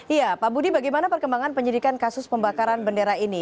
iya pak budi bagaimana perkembangan penyidikan kasus pembakaran bendera ini